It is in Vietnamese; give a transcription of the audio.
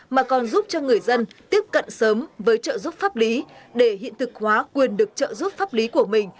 mà còn giúp cho người dân tiếp cận sớm với trợ giúp pháp lý để hiện thực hóa quyền được trợ giúp pháp lý của mình